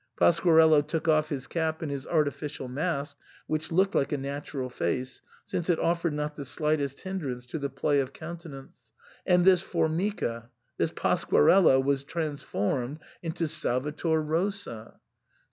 Pasquarello took off his cap and his artificial mask, which looked like a natural face, since it offered not the slightest hindrance to the play of countenance, and this Formica, this Pasquarello, was transformed into — Sal vator Rosa.